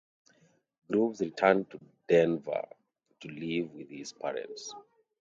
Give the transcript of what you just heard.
Groves returned to Denver to live with his parents.